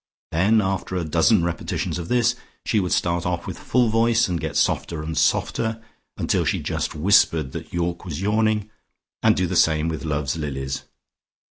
Then after a dozen repetitions of this, she would start off with full voice, and get softer and softer until she just whispered that York was yawning, and do the same with Love's Lilies.